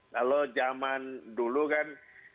kalau zaman dulu kan